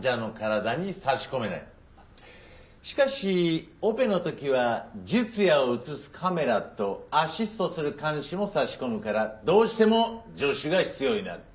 しかしオペの時は術野を映すカメラとアシストする鉗子も差し込むからどうしても助手が必要になる。